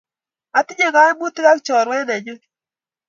atinye kaimutik ak chorwet nenyun